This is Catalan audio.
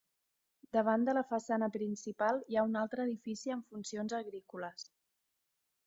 Davant de la façana principal hi ha un altre edifici amb funcions agrícoles.